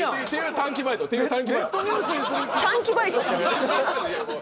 短期バイトって何？